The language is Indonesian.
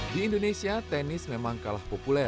di indonesia tenis memang kalah populer